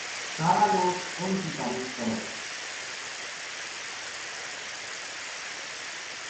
سارا لوک اُ ن کی تعریف کرے